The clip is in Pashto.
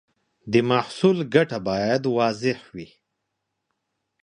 د محصول ګټه باید واضح وي.